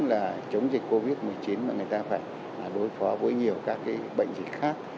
là chống dịch covid một mươi chín mà người ta phải đối phó với nhiều các cái bệnh dịch khác